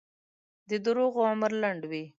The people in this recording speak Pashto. د دروغو عمر لنډ وي.